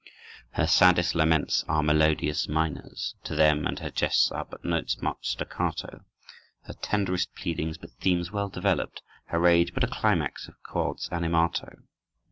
Her saddest laments are "melodious minors" To them, and her jests are but "notes marked staccato"; Her tenderest pleadings but "themes well developed," Her rage—but "a climax of chords animato."